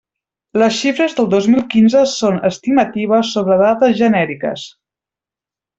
Les xifres del dos mil quinze són estimatives sobre dades genèriques.